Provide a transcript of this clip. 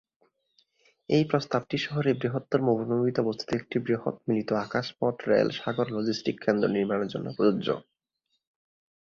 এই প্রস্তাবটি শহরের বৃহত্তর মরুভূমিতে অবস্থিত একটি বৃহৎ মিলিত আকাশ পথ-রেল-সাগর লজিস্টিক কেন্দ্র নির্মাণের জন্য প্রযোজ্য।